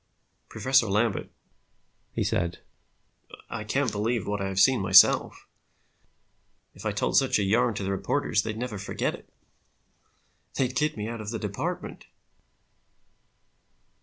"Professor Lambert," he said, "I can't believe what I have seen myself. If I told such a yarn to the reporters, they'd never forget it. They'd kid me out of the department."